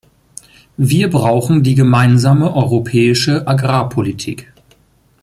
Wir brauchen die Gemeinsame europäische Agrarpolitik.